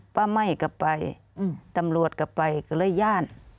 ป่าไม้กลับไปตำรวจกลับไปก็เลยย่าน